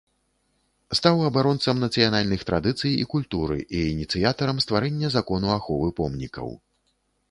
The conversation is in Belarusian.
Стаў абаронцам нацыянальных традыцый і культуры і ініцыятарам стварэння закону аховы помнікаў.